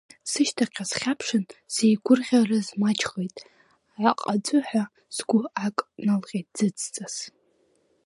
Сышьҭахьҟа схьаԥшын, сзеигәырӷьарыз маҷхеит, аҟаҵәыҳәа сгәы ак налҟьеит ӡыӡҵас.